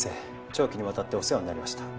長期にわたってお世話になりました。